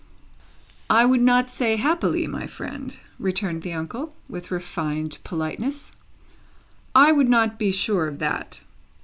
"I would not say happily, my friend," returned the uncle, with refined politeness; "I would not be sure of that.